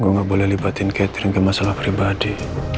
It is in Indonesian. gue gak boleh libatin catering ke masalah pribadi